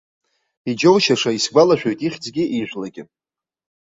Иџьоушьаша, исгәалашәоит ихьӡгьы ижәлагьы.